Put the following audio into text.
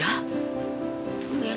aku udah bangun